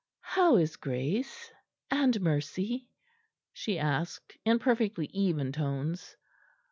"How is Grace, and Mercy?" she asked in perfectly even tones.